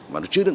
mà nó chưa được